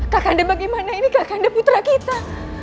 kakanda bagaimana ini kakanda putra kita